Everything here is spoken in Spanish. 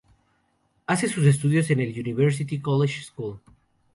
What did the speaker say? Hace sus estudios en el "University College School".